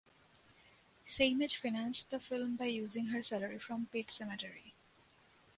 Seimetz financed the film by using her salary from "Pet Sematary".